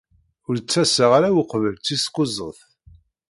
Ur d-ttaseɣ ara uqbel tis kuẓet.